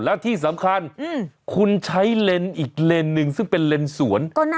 แล้วที่สำคัญอืมคุณใช้เลนอีกเลนหนึ่งซึ่งเป็นเลนสวนก็นั่นเนี้ย